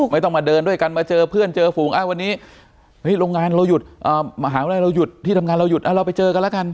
ไม่ต้องมาเดินด้วยกันมาเจอเพื่อนเจอฝูงอ้าววันนี้โรงงานเราหยุดมหาวิทยาลัยเราหยุดที่ทำงานเราหยุดเราไปเจอกันแล้วกัน